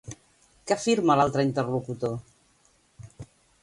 Què afirma l'altre interlocutor?